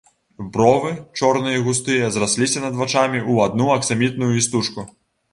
Бровы, чорныя і густыя, зрасліся над вачамі ў адну аксамітную істужку.